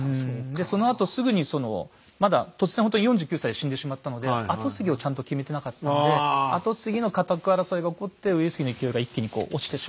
でそのあとすぐにまだ突然ほんとに４９歳で死んでしまったので跡継ぎをちゃんと決めてなかったので跡継ぎの家督争いが起こって上杉の勢いが一気に落ちてしまう。